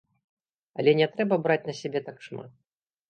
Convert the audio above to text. Але не трэба браць на сябе так шмат.